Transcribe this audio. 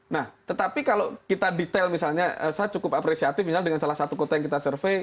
nah tetapi kalau kita detail misalnya saya cukup apresiatif misalnya dengan salah satu kota yang kita survei